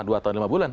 dua tahun lima bulan